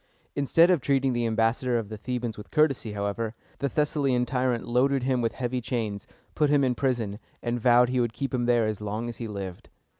Instead of treating the ambassador of the Thebans with courtesy, however, the Thessalian tyrant loaded him with heavy chains, put him in prison, and vowed he would keep him there as long as he lived.